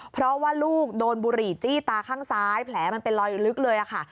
เพราะว่าลูกโดนบุหรี่จี้ตาข้างซ้ายแผลมันเป็นรอยลึกเลยค่ะ